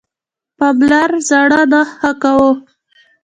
پالمر زړه نه ښه کاوه.